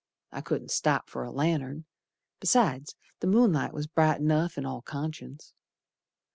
I couldn't stop fer a lantern, Besides, the moonlight was bright enough in all conscience.